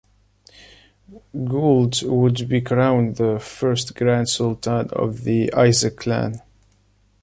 Guled would be crowned the first Grand Sultan of the Isaaq clan.